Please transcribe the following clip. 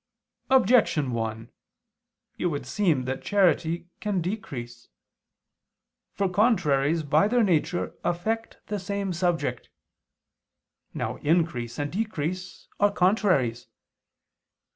Objection 1: It would seem that charity can decrease. For contraries by their nature affect the same subject. Now increase and decrease are contraries.